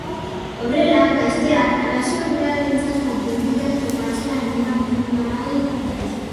Horrela, gazteak arazo errealentzat konponbidea topatzera animatu nahi dituzte.